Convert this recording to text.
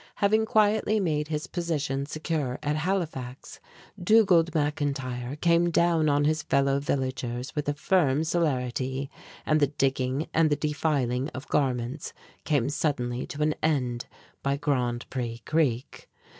Having quietly made his position secure at Halifax, Dugald McIntyre came down on his fellow villagers with a firm celerity, and the digging and the defiling of garments came suddenly to an end by Grand Pré Creek.